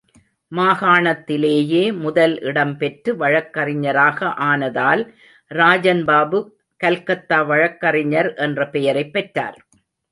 மாகாணத்திலேயே முதல் இடம்பெற்று வழக்கறிஞராக ஆனதால், ராஜன் பாபு கல்கத்தா வழக்கறிஞர் என்ற பெயரைப் பெற்றார்.